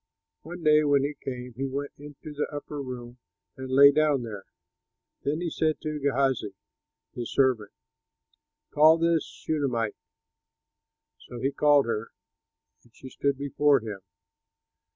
One day when he came, he went into the upper room and lay down there. Then he said to Gehazi his servant, "Call this Shunamite." So he called her, and she stood before him.